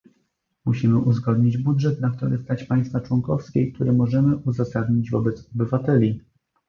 Musimy uzgodnić budżet, na który stać państwa członkowskie i który możemy uzasadnić wobec obywateli